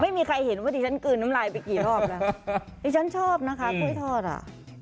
ไม่มีใครเห็นว่าดิฉันกลืนน้ำลายไปกี่รอบแล้วดิฉันชอบนะคะกล้วยทอดอ่ะ